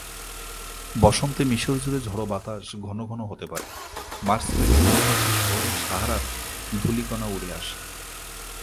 বসন্তে মিশর জুড়ে ঝড়ো বাতাস ঘন ঘন হতে পারে, মার্চ এবং এপ্রিল মাসে শহরে সাহারার ধূলিকণা উড়ে আসে।